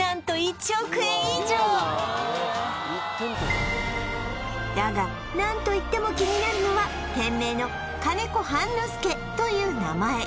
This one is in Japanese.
何とだが何といっても気になるのは店名の金子半之助という名前